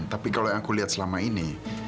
tapi kalau yang aku lihat selama ini